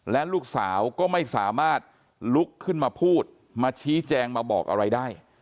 และลูกสาวก็ไม่สามารถลุกขึ้นมาพูดมาชี้แจงมาบอกอะไรได้